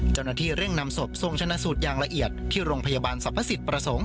เจ้าหน้าที่เร่งนำศพทรงชนะสูตรอย่างละเอียดที่โรงพยาบาลสรรพสิทธิประสงค์